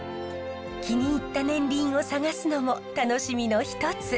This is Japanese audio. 気に入った年輪を探すのも楽しみの一つ。